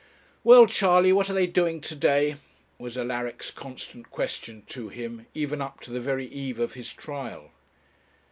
'Well, Charley, what are they doing to day?' was Alaric's constant question to him, even up to the very eve of his trial.